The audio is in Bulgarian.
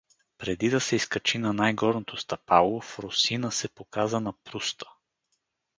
Преди да се изкачи на най-горното стъпало, Фросина се показа на пруста.